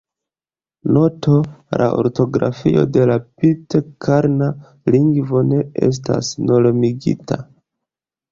Noto: La ortografio de la pitkarna lingvo ne estas normigita.